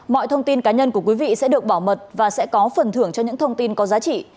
mọi thông tin cá nhân của quý vị sẽ được bảo mật và sẽ có phần thưởng cho những thông tin có giá trị